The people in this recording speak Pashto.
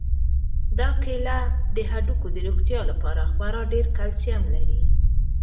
دا کیله د هډوکو د روغتیا لپاره خورا ډېر کلسیم لري.